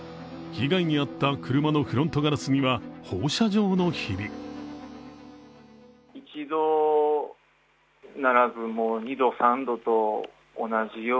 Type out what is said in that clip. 被害に遭った車のフロントガラスには放射状のひびが。